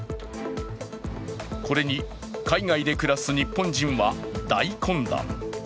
これに海外で暮らす日本人は大混乱。